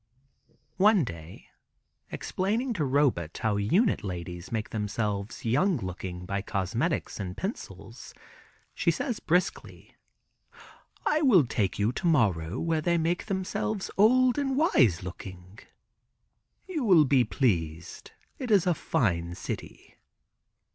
One day explaining to Robet how Unit ladies make themselves young looking by cosmetics and pencils, she says briskly, "I will take you to morrow where they make themselves old and wise looking. You will be pleased; it is a fine city."